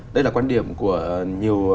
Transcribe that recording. đây là quan điểm của nhiều